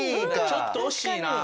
ちょっとおしいな！